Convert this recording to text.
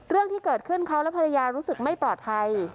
เรื่องที่เกิดขึ้นเขาและภรรยารู้สึกไม่ปลอดภัย